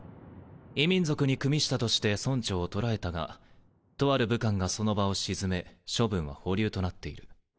異民族にくみしたとして村長を捕らえたがとある武官がその場を鎮め処分は保留となっている。